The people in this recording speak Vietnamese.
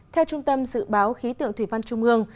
theo trung tâm dự báo khí tượng thủy văn trung ương